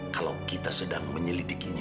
kalau kita sedang menyelidikinya